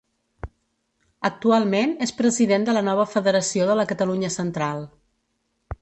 Actualment és president de la nova Federació de la Catalunya Central.